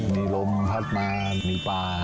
มีลมพัดมามีป่า